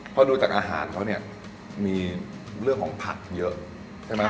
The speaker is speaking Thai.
พอดูจากอาหารเขาเนี่ยมีเรื่องของผักเยอะใช่ไหม